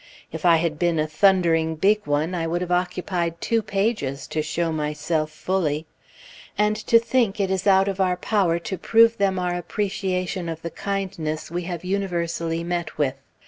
If I had been a thundering big one, I would have occupied two pages to show myself fully. And to think it is out of our power to prove them our appreciation of the kindness we have universally met with!